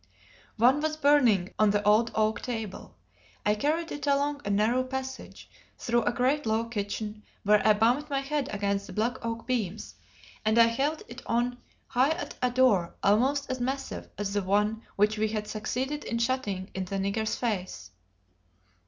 One was burning on the old oak table. I carried it along a narrow passage, through a great low kitchen where I bumped my head against the black oak beams; and I held it on high at a door almost as massive as the one which we had succeeded in shutting in the nigger's face.